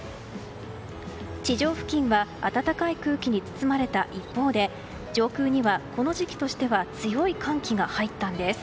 地上付近は暖かい空気に包まれた一方で上空にはこの時期としては強い寒気が入ったんです。